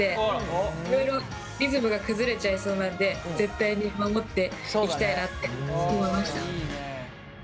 いろいろリズムが崩れちゃいそうなんで絶対に守っていきたいなって思いました。